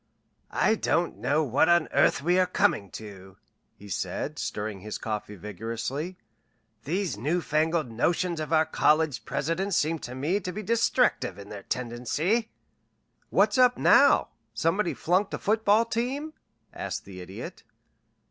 "I don't know what on earth we are coming to!" he said, stirring his coffee vigorously. "These new fangled notions of our college presidents seem to me to be destructive in their tendency." "What's up now? Somebody flunked a football team?" asked the Idiot.